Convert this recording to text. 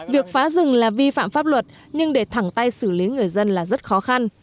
việc phá rừng là vi phạm pháp luật nhưng để thẳng tay xử lý người dân là rất khó khăn